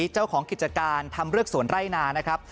เจ้าของกิจการทำเลือกสวนไร่นานะครับ